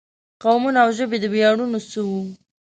قومونه او ژبې د ویاړونو څه وو.